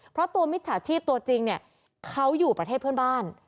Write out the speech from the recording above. เพราะตัวมิจฉาชีพตัวจริงเนี่ยเขาอยู่ประเทศเพื่อนบ้าน